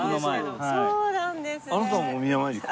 そうなんですね。